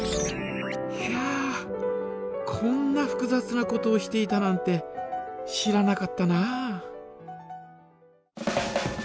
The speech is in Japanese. こんなふくざつなことをしていたなんて知らなかったなあ。